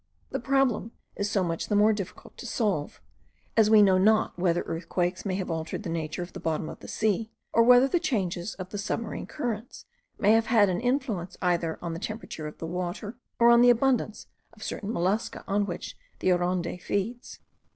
The problem is so much the more difficult to solve, as we know not whether earthquakes may have altered the nature of the bottom of the sea, or whether the changes of the submarine currents may have had an influence either on the temperature of the water, or on the abundance of certain mollusca on which the Aronde feeds.